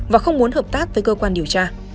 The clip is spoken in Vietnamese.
và không muốn hợp tác với cơ quan điều tra